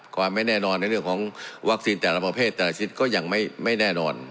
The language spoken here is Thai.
ความไม่แน่นอนในเรื่องของวัคซีนแต่ละประเภทแต่ละชิ้นก็ยังไม่แน่นอน